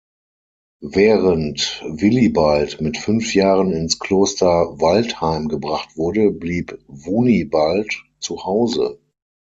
Während Willibald mit fünf Jahren ins Kloster Waldheim gebracht wurde, blieb Wunibald zuhause.